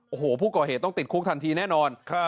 โอ้โหผู้ก่อเหตุต้องติดคุกทันทีแน่นอน